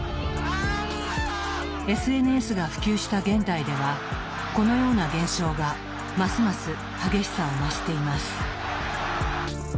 ＳＮＳが普及した現代ではこのような現象がますます激しさを増しています。